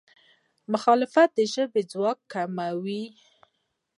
مخالفت د ژبې ځواک کموي.